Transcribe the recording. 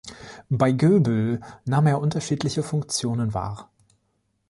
Bei Goebel nahm er unterschiedliche Funktionen wahr.